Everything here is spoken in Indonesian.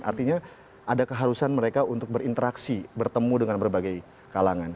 artinya ada keharusan mereka untuk berinteraksi bertemu dengan berbagai kalangan